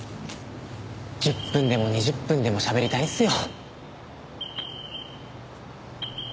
１０分でも２０分でもしゃべりたいんすよ。